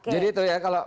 jadi itu ya kalau